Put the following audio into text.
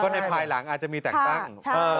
ในภายหลังอาจจะมีแต่งตั้ง